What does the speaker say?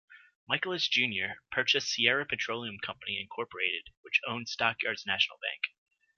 Michaelis, Junior purchased Sierra Petroleum Company Incorporated which owned Stockyards National Bank.